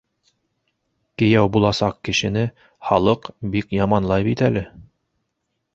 — Кейәү буласаҡ кешене халыҡ бик яманлай бит әле.